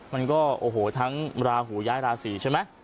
มันก็โอ้โหทั้งราหูย้ายราศีใช่ไหม